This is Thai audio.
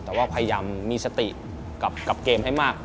แต่ว่าพยายามมีสติกับเกมให้มาก